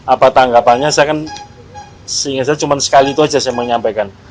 apa tanggapannya saya kan seingat saya cuma sekali itu saja saya menyampaikan